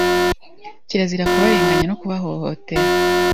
Kirazira kubarenganya no kubahohotera